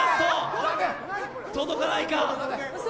届かないか？